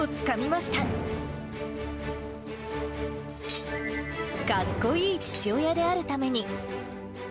かっこいい父親であるために。